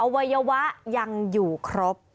วัยวะยังอยู่ครบ